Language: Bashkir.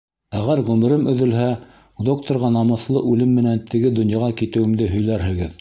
Әгәр ғүмерем өҙөлһә, докторға намыҫлы үлем менән теге донъяға китеүемде һөйләрһегеҙ.